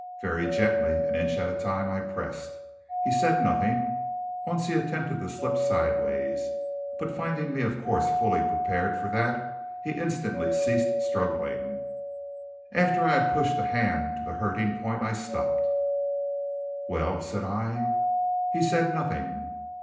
Very gently, an inch at a time, I pressed. He said nothing. Once he attempted to slip sidewise; but finding me of course fully prepared for that, he instantly ceased struggling. After I had pushed the hand to the hurting point, I stopped. "Well?" said I. He said nothing.